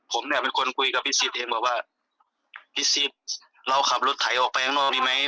ผมเนี่ยเป็นคนคุยกับพี่สิทธิ์เองบอกว่าพี่สิทธิ์เราขับรถไถออกไปข้างนอกดีไหม